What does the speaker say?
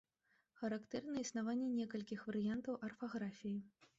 Характэрна існаванне некалькіх варыянтаў арфаграфіі.